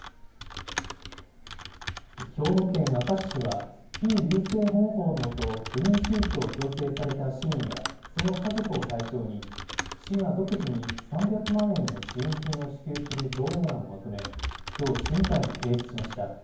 兵庫県明石市は旧優生保護法のもと不妊手術を強制された市民や、その家族を対象に市が独自に３００万円の支援金を支給する条例案をまとめ、きょう、市議会に提出しました。